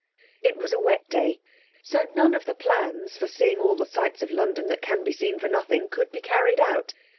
It was a wet day, so none of the plans for seeing all the sights of London that can be seen for nothing could be carried out.